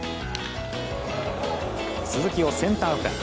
鈴木をセンターフライ。